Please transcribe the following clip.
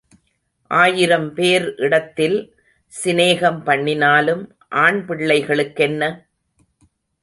ஆயிரம் பேர் இடத்தில் சிநேகம் பண்ணினாலும் ஆண்பிள்ளைகளுக்கென்ன?